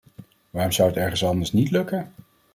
Waarom zou het ergens anders niet lukken.